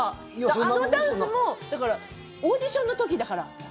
あのダンスもオーディションの時だから。